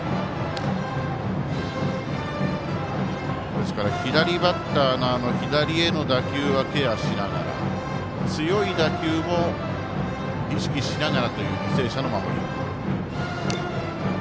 ですから左バッターの左への打球はケアしながら強い打球も意識しながらという履正社の守り。